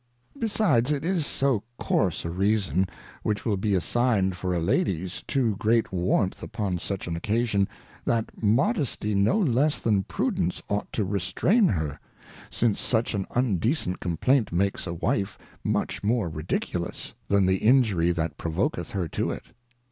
Besides, it is so coarse a Reason which will be assignM for a Lady's too great Warmth upon such an occasion, that Modesty no less than Prudence ought to restrain her ; since such HUSBAND. 11 such an undecent Complaint makes a Wife much more ridiculous, than the Injury that provoketh her to it.